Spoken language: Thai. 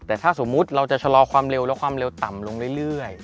แต่ถ้าสมมุติเราจะชะลอความเร็วแล้วความเร็วต่ำลงเรื่อย